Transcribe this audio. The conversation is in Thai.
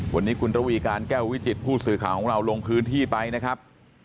วันนี้คุณระวีการแก้ววิจิตผู้สื่อข่าวของเราลงพื้นที่ไปนะครับ